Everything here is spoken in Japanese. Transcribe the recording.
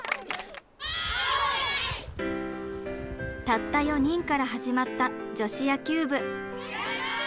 たった４人から始まった女子野球部。